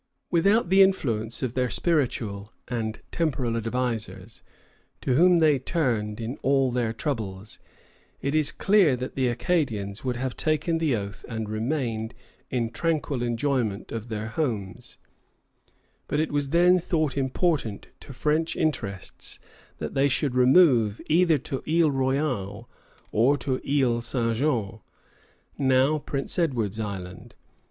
Without the influence of their spiritual and temporal advisers, to whom they turned in all their troubles, it is clear that the Acadians would have taken the oath and remained in tranquil enjoyment of their homes; but it was then thought important to French interests that they should remove either to Isle Royale or to Isle St. Jean, now Prince Edward's Island.